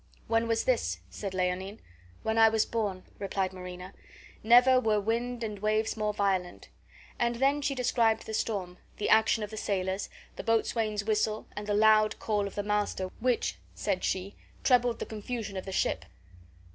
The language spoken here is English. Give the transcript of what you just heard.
"When was this?" said Leonine. "When I was born," replied Marina. "Never were wind and waves more violent." And then she described the storm, the action of the sailors, the boatswain's whistle, and the loud call of the master, which," said she, "trebled the confusion of the ship."